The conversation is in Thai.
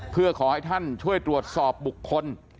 เพื่อขอให้ท่านช่วยตรวจสอบบุคคล